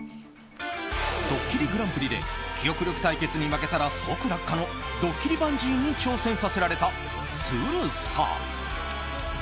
「ドッキリＧＰ」で記憶力対決に負けたら即落下のドッキリバンジーに挑戦させられた都留さん。